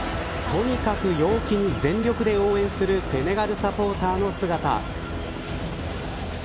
とにかく陽気に全力で応援するセネガルサポーターの姿。